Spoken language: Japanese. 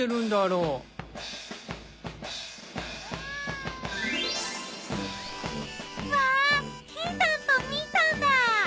うわひーたんとみーたんだ！